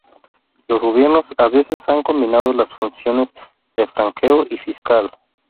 Los gobiernos a veces han combinado las funciones de franqueo y fiscal.